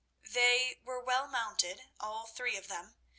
They were well mounted, all three of them.